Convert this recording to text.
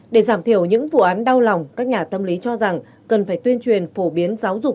để giảm thiểu những vụ án đau lòng các nhà tâm lý cho rằng cần phải tuyên truyền phổ biến giáo dục